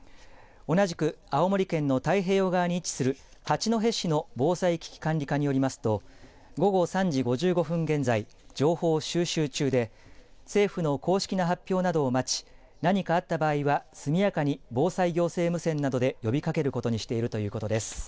同じく青森県の太平洋側に位置する八戸市の防災危機管理課によりますと午後３時５５分現在、情報を収集中で政府の公式な発表などを待ち何かあった場合は速やかに防災行政無線などで呼びかけることにしているということです。